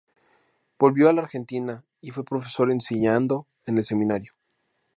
Volvió a la Argentina y fue profesor enseñando en el Seminario.